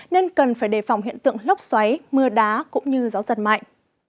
nên cần phải đề phòng hiện tượng lốc xoáy mưa đá cũng như gió giật mạnh